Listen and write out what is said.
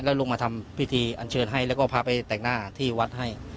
แล้วลงมาทำพิธีอันเชิญให้แล้วก็พาไปแต่งหน้าที่วัดให้